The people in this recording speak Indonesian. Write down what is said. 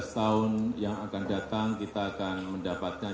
dua belas tahun yang akan datang kita akan mendapatkan